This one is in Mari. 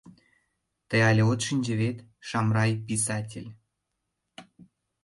— Тый але от шинче вет: Шамрай — писатель.